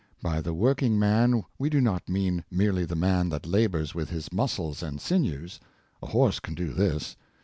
By the working man we do not mean merely the man that labors with his muscles and sinews. A horse can do this.